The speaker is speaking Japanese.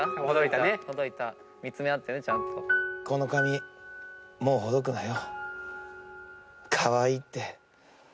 「この髪もう解くなよ」